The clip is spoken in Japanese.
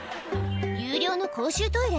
「有料の公衆トイレ？